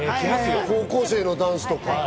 高校生のダンスとか。